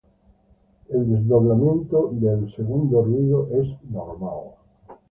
El desdoblamiento de el segundo ruido es normal.